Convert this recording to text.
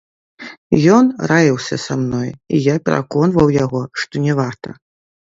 Ён раіўся са мной, і я пераконваў яго, што не варта.